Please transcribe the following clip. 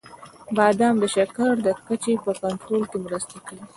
• بادام د شکر د کچې په کنټرول کې مرسته کوي.